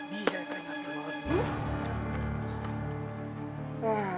dia yang kering hati banget